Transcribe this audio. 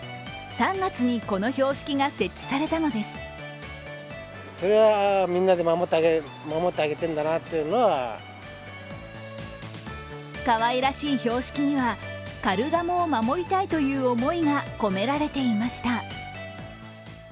３月にこの標識が設置されたのですかわいらしい標識には、カルガモを守りたいという思いが込められていました。